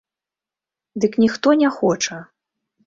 Дык ніхто не хоча.